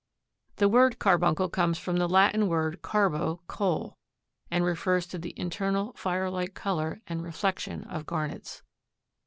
The word carbuncle comes from the Latin word carbo, coal, and refers to the internal fire like color and reflection of garnets.